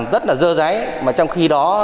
rất là dơ dáy trong khi đó